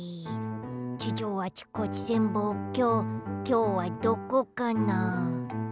地上あちこち潜望鏡きょうはどこかなあ？